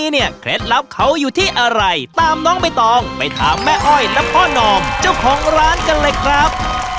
ร้อยโลจริงไหมเบาะจริงครับ